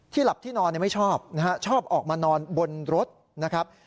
หลับที่นอนไม่ชอบนะฮะชอบออกมานอนบนรถนะครับ